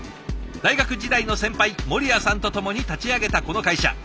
大学時代の先輩守屋さんと共に立ち上げたこの会社。